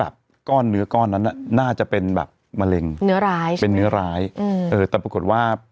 เป็นเนื้อร้ายแต่ผลิตปรากฎว่า